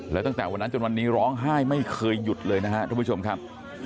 แล้วตั้งแต่วันนั้นจนวันนี้ร้องไห้ไม่เคยหยุดเลยนะครับทุกผู้ชมครับ